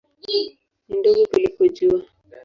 Ni ndogo kuliko Jua.